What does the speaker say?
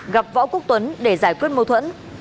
gặp võ quốc tuấn để giải quyết mâu thuẫn